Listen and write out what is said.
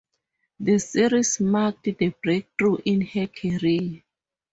The series marked the breakthrough in her career.